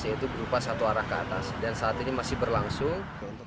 yaitu berupa satu arah ke atas dan saat ini masih berlangsung